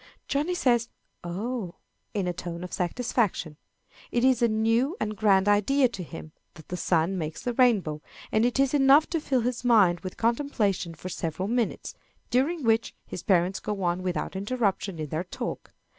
Johnny says "Oh!" in a tone of satisfaction. It is a new and grand idea to him that the sun makes the rainbow, and it is enough to fill his mind with contemplation for several minutes, during which his parents go on without interruption in their talk.